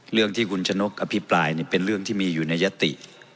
เรื่องที่คุณชะนกอภิปรายเป็นเรื่องที่มีอยู่ในยติ